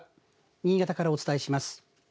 新潟からお伝えします。